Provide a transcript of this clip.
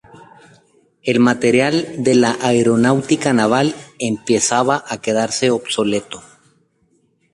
El material de la Aeronáutica Naval empezaba a quedarse obsoleto.